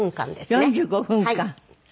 ４５分間。